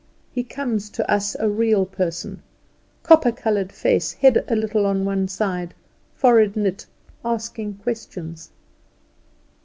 He comes to a real person, copper coloured face, head a little on one side, forehead knit, asking questions.